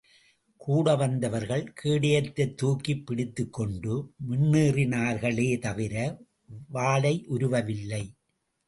கூட வந்தவர்கள், கேடயத்தைத் தூக்கிப் பிடித்துக் கொண்டு முன்னேறினார்களே தவிர வாளையுருவவில்லை.